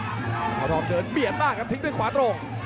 เอาทองเดินเบียดบ้างครับทิ้งด้วยขวาตรง